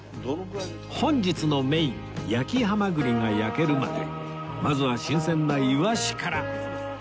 本日のメイン焼きハマグリが焼けるまでまずは新鮮ないわしから